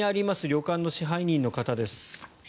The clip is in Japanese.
旅館の支配人の方です。